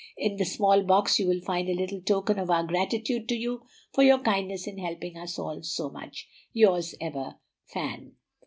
In the small box you will find a little token of our gratitude to you for your kindness in helping us all so much. Yours ever, FAN.